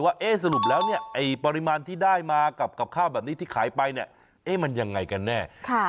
ว่าสรุปแล้วเนี่ยไอ้ปริมาณที่ได้มากับข้าวแบบนี้ที่ขายไปเนี่ยเอ๊ะมันยังไงกันแน่